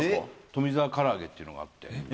富澤唐揚げっていうのがあって。